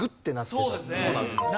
そうなんですよ。